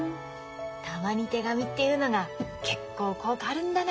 たまに手紙っていうのが結構効果あるんだな